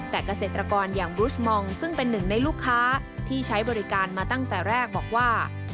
แต่เกษตรกรอย่างบรุษมองซึ่งเป็นหนึ่งในลูกค้าที่ใช้บริการมาตั้งแต่แรกบอกว่า